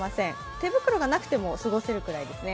手袋がなくても過ごせるぐらいですね。